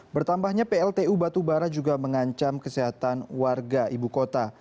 bertambahnya pltu batubara juga mengancam kesehatan warga ibu kota